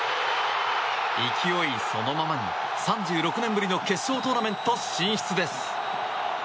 勢いそのままに、３６年ぶりの決勝トーナメント進出です。